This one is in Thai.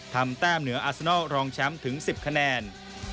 แต้มเหนืออาซานอลรองแชมป์ถึง๑๐คะแนน